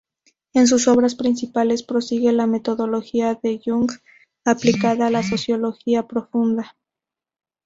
En sus obras principales prosigue la metodología de Jung aplicada a la psicología profunda.